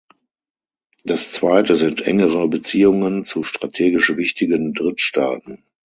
Das zweite sind engere Beziehungen zu strategisch wichtigen Drittstaaten.